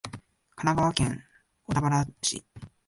神奈川県小田原市